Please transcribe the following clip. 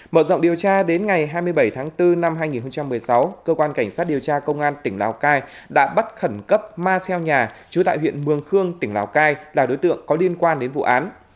mở rộng điều tra đến ngày hai mươi bảy tháng bốn năm hai nghìn một mươi sáu cơ quan cảnh sát điều tra công an tỉnh lào cai đã bắt khẩn cấp ma xeo nhà chú tại huyện mường khương tỉnh lào cai là đối tượng có liên quan đến vụ án